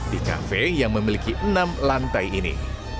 di kafe yang memiliki enam lantai ini